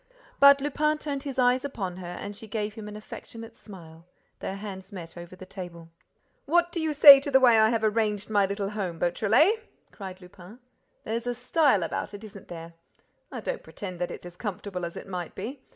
But Lupin turned his eyes upon her and she gave him an affectionate smile. Their hands met over the table. "What do you say to the way I have arranged my little home, Beautrelet?" cried Lupin. "There's a style about it, isn't there? I don't pretend that it's as comfortable as it might be.